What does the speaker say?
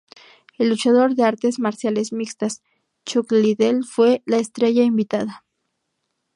El luchador de artes marciales mixtas Chuck Liddell fue la estrella invitada.